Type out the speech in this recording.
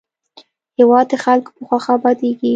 هېواد د خلکو په خوښه ابادېږي.